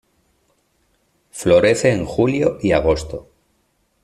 Florece en julio y agosto.